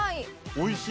おいしい。